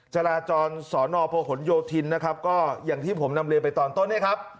จราจรสอนอพหนโยธินนะครับก็อย่างที่ผมนำเรียนไปตอนต้นเนี่ยครับ